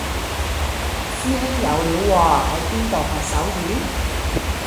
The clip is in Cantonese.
師兄有料喎喺邊度學手語